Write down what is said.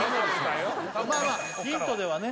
まあまあヒントではね